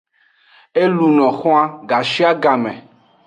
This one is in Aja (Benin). E luno xwan gashiagame.